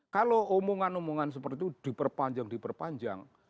kalau omongan omongan seperti itu diperpanjang diperpanjang